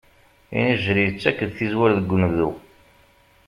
Inijel yettak-d tizwal deg unebdu.